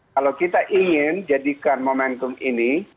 kalau kita ingin jadikan momentum ini